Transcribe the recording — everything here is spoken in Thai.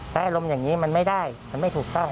ถ้าอารมณ์อย่างนี้มันไม่ได้มันไม่ถูกต้อง